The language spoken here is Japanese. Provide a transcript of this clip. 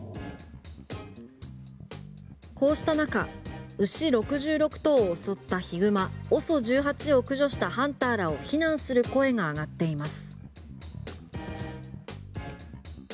こうした中牛６６頭を襲ったヒグマＯＳＯ１８を駆除したハンターらを非難する声が上がっています。